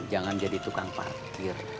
jangan jadi tukang parkir